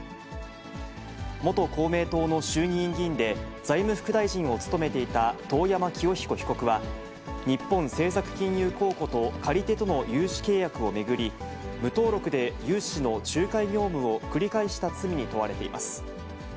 元公明党の衆議院議員で、財務副大臣を務めていた遠山清彦被告は、日本政策金融公庫と借り手との融資契約を巡り、無登録で融資の仲介業務を繰り返した罪に問われています。